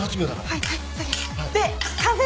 はい。